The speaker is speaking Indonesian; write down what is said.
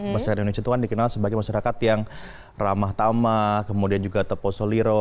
masyarakat indonesia itu kan dikenal sebagai masyarakat yang ramah tama kemudian juga terposoliro